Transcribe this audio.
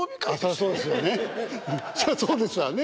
そらそうですわね。